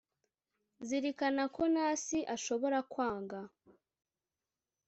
zirikana ko nasi ashobora kwanga